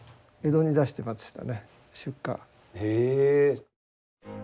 へえ。